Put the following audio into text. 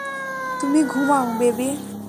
তুমি ঘুমাও, বেবি।